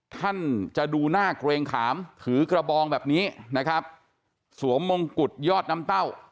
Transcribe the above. ท่านจะดูหน้าเกรงขามถือกระบองแบบนี้นะครับสวมมงกุฎยอดน้ำเต้า